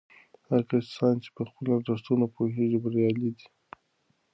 هغه کسان چې په خپلو ارزښتونو پوهیږي بریالي دي.